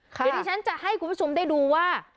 เดี๋ยวที่ฉันจะให้คุณผู้ชมได้ดูว่า